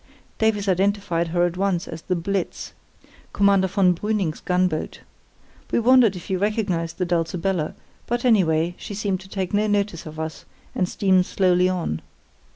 "Davies identified her at once as the Blitz, Commander von Brüning's gunboat. We wondered if he recognised the Dulcibella, but, anyway, she seemed to take no notice of us and steamed slowly on.